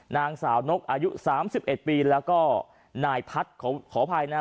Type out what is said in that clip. นางสาวนกอายุสามสิบเอ็ดปีแล้วก็นายพัดขอขอภัยนะฮะ